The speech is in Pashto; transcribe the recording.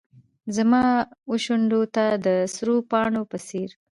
زما وشونډو ته د سرو پاڼو په څیر